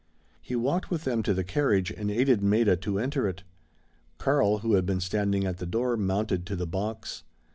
He walked with them to the carriage, and aided Maida to enter it. Karl, who had been standing at the door, mounted to the box.